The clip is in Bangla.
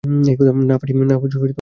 না ফাটি, কিছু হয় নি।